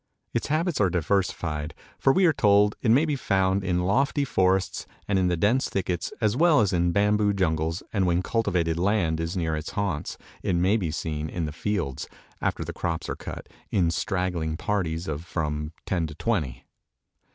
Its habits are diversified, for we are told it may "be found in lofty forests and in the dense thickets, as well as in bamboo jungles, and when cultivated land is near its haunts, it may be seen in the fields, after the crops are cut, in straggling parties of from ten to twenty."